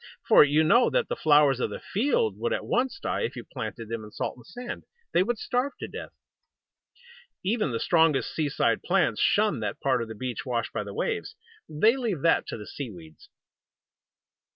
For you know that the flowers of the field would at once die if you planted them in salt and sand. They would starve to death. Even the strongest seaside plants shun that part of the beach washed by the waves. They leave that to the seaweeds.